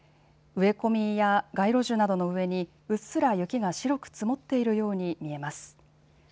植え込みや街路樹などの上にうっすら雪が白く積もっているように見えます。